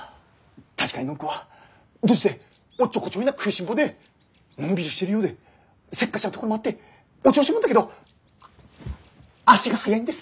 確かに暢子はドジでおっちょこちょいな食いしん坊でのんびりしてるようでせっかちなところもあってお調子者だけど足が速いんです！